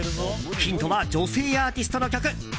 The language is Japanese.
ヒントは女性アーティストの曲。